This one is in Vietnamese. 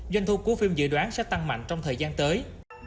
doanh thu của phim dự đoán sẽ tăng mạnh trong thời gian tới